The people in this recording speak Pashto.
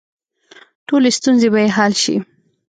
ټولې ستونزې به یې حل شي.